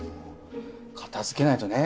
片づけないとね。